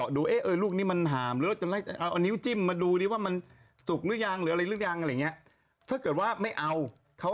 พอเศษเนี่ยแม่ค้าเนี่ยเค้าก็กำลังจะแบบเจาะอ่ะ